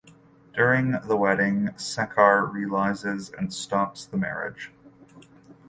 During the wedding Sekhar realizes and stops the marriage.